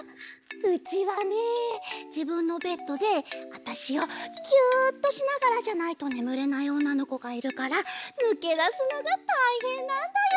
うちはねじぶんのベッドであたしをギュっとしながらじゃないとねむれないおんなのこがいるからぬけだすのがたいへんなんだよ。